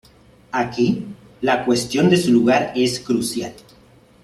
Aquí, la cuestión de su lugar es crucial.